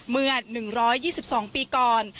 เมื่อ๑๒๒ปีก่อน